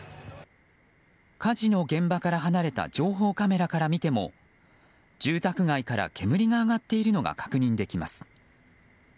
火事の現場から離れた情報カメラから見ても住宅街から煙が上がっているのが確認できます。